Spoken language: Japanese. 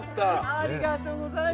ありがとうございます。